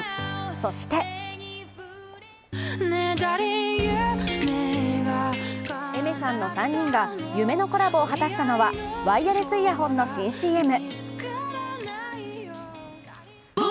そしてＡｉｍｅｒさんの３人が夢のコラボを果たしたのはワイヤレスイヤホンの新ＣＭ。